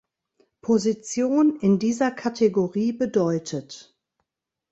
Position in dieser Kategorie bedeutet.